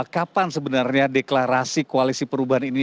kapan sebenarnya deklarasi koalisi perubahan ini